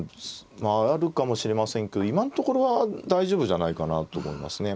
まああるかもしれませんけど今のところは大丈夫じゃないかなと思いますね。